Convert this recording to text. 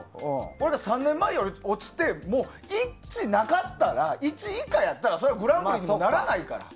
俺ら、３年前より落ちてもう１なかったら１以下やったらそれはグランプリにもならないから。